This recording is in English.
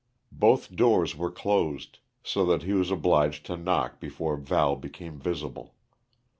Both doors were closed, so that he was obliged to knock before Val became visible.